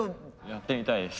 やってみたいです。